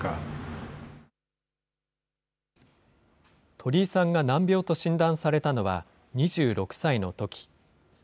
鳥居さんが難病と診断されたのは、２６歳のとき。